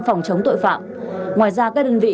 phòng chống tội phạm ngoài ra các đơn vị